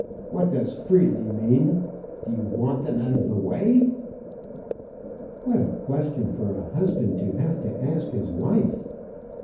What does freely mean? Do you want them out of the way?" What a question for a husband to have to ask his wife!